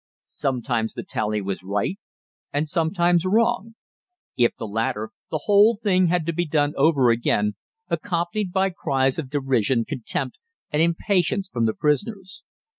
Sometimes the tally was right and sometimes wrong if the latter, the whole thing had to be done over again, accompanied by cries of derision, contempt, and impatience from the prisoners.